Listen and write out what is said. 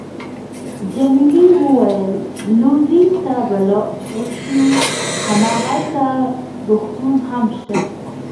جميلې وويل:: لوزین ته به ولاړ شو، هماغلته روغتون هم شته.